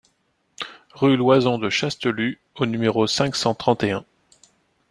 Rue Loyson de Chastelus au numéro cinq cent trente et un